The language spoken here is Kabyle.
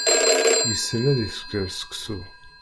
Yessen ad isker seksu.